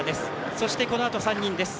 そしてこのあと３人です。